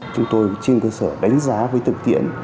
chúng tôi trên cơ sở đánh giá với thực tiễn